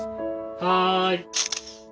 はい」。